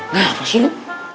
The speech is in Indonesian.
nggak ada apa apa sini